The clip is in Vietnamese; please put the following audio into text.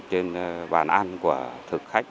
trên bàn ăn của thực khách